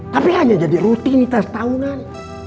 tapi hanya jadi rutinitas tahunan